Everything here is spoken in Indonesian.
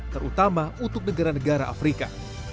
terutama untuk negara negara afrika